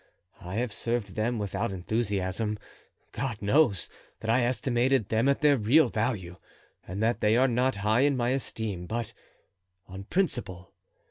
I have served them without enthusiasm—God knows that I estimated them at their real value, and that they are not high in my esteem—but on principle.